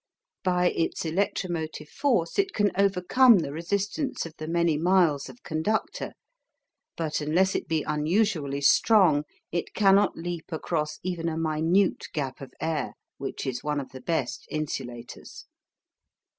By its electromotive force it can overcome the resistance of the many miles of conductor; but unless it be unusually strong it cannot leap across even a minute gap of air, which is one of the best insulators.